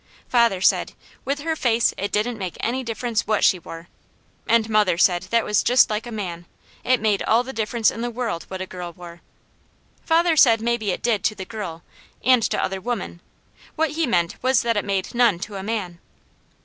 Father said, with her face it didn't make any difference what she wore, and mother said that was just like a man; it made all the difference in the world what a girl wore. Father said maybe it did to the girl, and other women; what he meant was that it made none to a man.